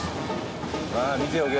まあ見ておけ。